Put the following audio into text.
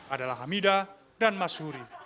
adalah hamida dan mas huri